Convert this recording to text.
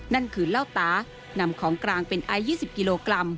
นั่นคือเหล้าตานำของกลางเป็นไอซ์๒๐กิโลกรัม